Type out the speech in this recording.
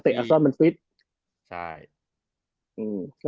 เทปโรคผิดหรอ